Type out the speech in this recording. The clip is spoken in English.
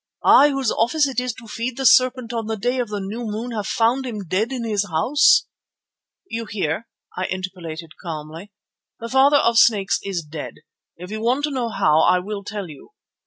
I whose office it is to feed the serpent on the day of the new moon have found him dead in his house." "You hear," I interpolated calmly. "The Father of Snakes is dead. If you want to know how, I will tell you.